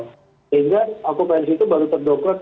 sehingga okupansi itu baru terdokter